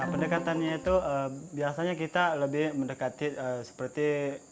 pendekatannya itu biasanya kita lebih mendekati seperti